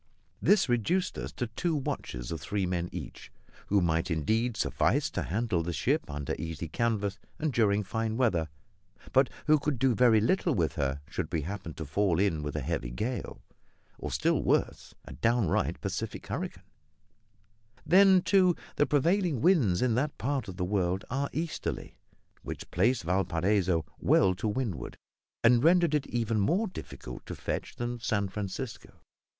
This reduced us to two watches of three men each, who might indeed suffice to handle the ship under easy canvas and during fine weather, but who could do very little with her should we happen to fall in with a heavy gale, or, still worse, a downright Pacific hurricane. Then, too, the prevailing winds in that part of the world are easterly; which placed Valparaiso well to windward, and rendered it even more difficult to fetch than San Francisco.